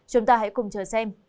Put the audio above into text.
chúng ta hãy cùng chờ xem